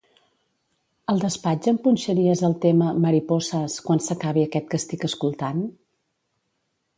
Al despatx em punxaries el tema "Mariposas" quan s'acabi aquest que estic escoltant?